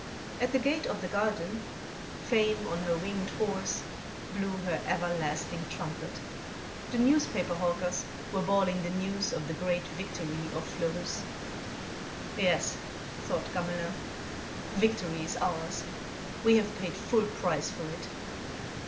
At the gate of the garden, Fame on her winged horse blew her everlasting trumpet. The newspaper hawkers were bawling the news of the great victory of Fleurus. "Yes," thought Gamelin, "victory is ours. We have paid full price for it."